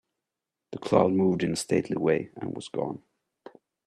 The cloud moved in a stately way and was gone.